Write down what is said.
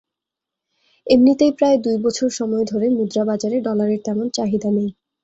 এমনিতেই প্রায় দুই বছর সময় ধরে মুদ্রাবাজারে ডলারের তেমন চাহিদা নেই।